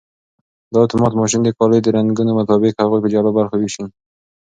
دا اتومات ماشین د کالیو د رنګونو مطابق هغوی په جلا برخو ویشي.